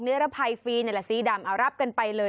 ระภัยฟรีนี่แหละสีดำเอารับกันไปเลย